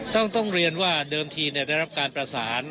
ต้องต้องเรียนว่าเดียวทีในรับการประสาน